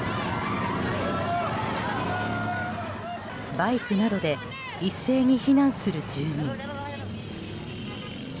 バイクなどで一斉に避難する住民。